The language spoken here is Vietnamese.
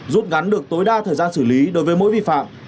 rút ngắn được tối đa thời gian xử lý đối với mỗi vi phạm